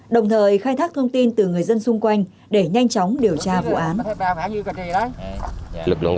đồng thời khai thác thông tin từ người dân xung quanh để nhanh chóng điều tra vụ án